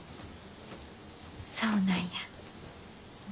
そうなんや。